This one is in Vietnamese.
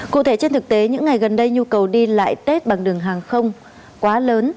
cụ thể trên thực tế những ngày gần đây nhu cầu đi lại tết bằng đường hàng không quá lớn